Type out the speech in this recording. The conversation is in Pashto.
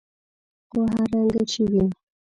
خو هر رنګه چې وي.